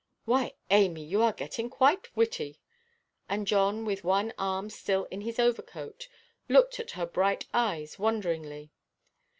"Why, Amy, you are getting quite witty!" And John, with one arm still in his overcoat, looked at her bright eyes wonderingly.